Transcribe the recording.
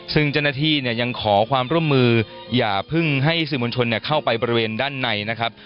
ซึ่งเจ้าหน้าที่เนี่ยยังขอความร่วมมืออย่าเพิ่งให้สื่อมวลชนเข้าไปบริเวณด้านในนะครับ